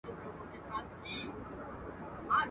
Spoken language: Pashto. د فقیر لور په دربار کي ملکه سوه.